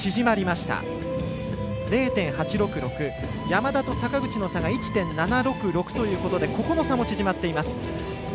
山田と坂口の差が１．７６６ということでここも差が縮まっています。